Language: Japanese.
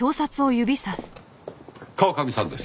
川上さんです。